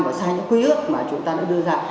và sai những quy ước mà chúng ta đã đưa ra